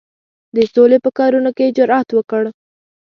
د سولي په کارونو کې یې جرأت وکړ.